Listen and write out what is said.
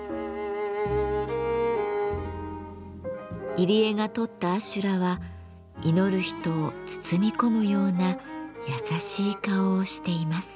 入江が撮った阿修羅は祈る人を包み込むような優しい顔をしています。